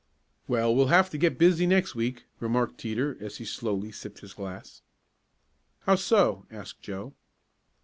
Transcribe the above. "Well, we'll have to get busy next week," remarked Teeter as he slowly sipped his glass. "How so?" asked Joe.